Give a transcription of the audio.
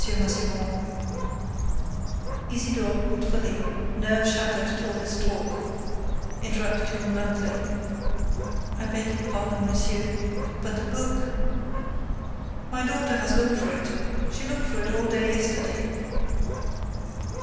Massiban—" Isidore Beautrelet, nerve shattered at all this talk, interrupted him bluntly: "I beg your pardon, monsieur, but the book—" "My daughter has looked for it. She looked for it all day yesterday."